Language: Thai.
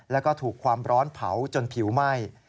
แล้วก็ถูกความร้อนเผาจนผิวไหม้